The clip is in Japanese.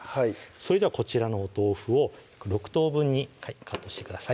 それではこちらのお豆腐を６等分にカットしてください